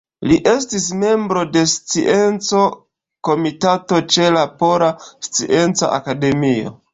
Li estis membro de Scienco-Komitato ĉe la Pola Scienca Akademio.